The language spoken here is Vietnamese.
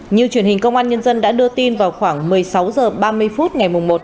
như truyền hình công an nhân dân đã đưa tin vào khoảng một mươi sáu h ba mươi phút ngày một